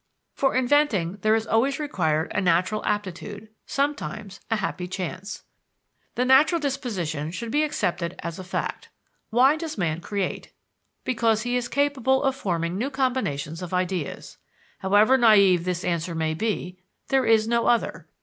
For inventing there is always required a natural aptitude, sometimes, a happy chance. The natural disposition should be accepted as a fact. Why does a man create? Because he is capable of forming new combinations of ideas. However naïve this answer may be, there is no other.